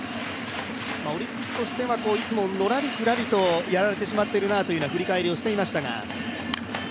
オリックスとしてはのらりくらりとやられてしまっているなという振り返りをしていましたが。